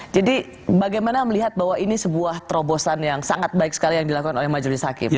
jadi bagaimana melihat bahwa ini sebuah terobosan yang sangat baik sekali yang dilakukan oleh majelis hakim